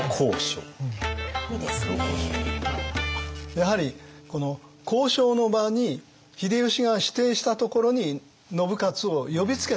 やはりこの交渉の場に秀吉が指定したところに信雄を呼びつけた。